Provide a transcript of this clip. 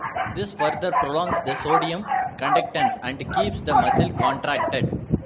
This further prolongs the sodium conductance and keeps the muscle contracted.